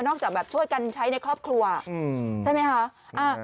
จากแบบช่วยกันใช้ในครอบครัวใช่ไหมคะ